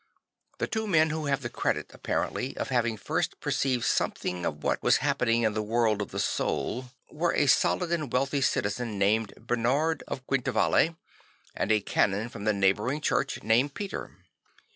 The two men who have the credit, apparently, of having first perceived something of what was happening in the world of the soul were a solid and wealthy citizen named Bernard of Quintavalle and a canon from a neighbouring church named Peter.